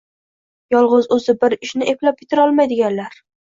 yolg‘iz o‘zi bir ishni eplab bitira olmaydiganlar